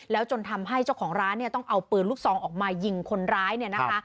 แล้วจนทำให้เจ้าของร้านเนี่ยต้องเอาปืนลูกซองออกมายิงคนร้ายเนี่ยนะคะ